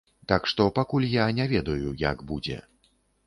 Так што, пакуль я не ведаю, як будзе.